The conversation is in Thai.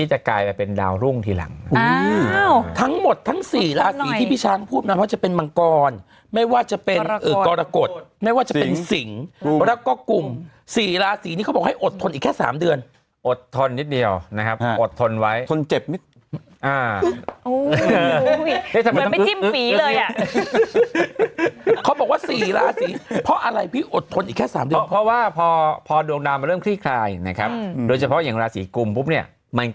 จะกลายเป็นดาวรุ่งทีหลังทั้งหมดทั้งสี่ราศีที่พี่ช้างพูดมาว่าจะเป็นมังกรไม่ว่าจะเป็นกรกฎไม่ว่าจะเป็นสิงแล้วก็กุมสี่ราศีนี่เขาบอกให้อดทนอีกแค่สามเดือนอดทนนิดเดียวนะครับอดทนไว้ทนเจ็บเหมือนไปจิ้มฟีเลยอ่ะเขาบอกว่าสี่ราศีเพราะอะไรพี่อดทนอีกแค่สามเดือนเพราะว่าพอดวงดามาเริ่มค